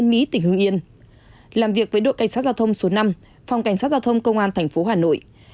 phòng cảnh sát giao thông công an tp hà nội